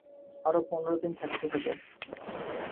আরও পনেরো দিন থাকতে হবে।